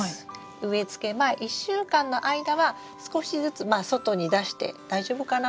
植えつけ前１週間の間は少しずつまあ外に出して大丈夫かな？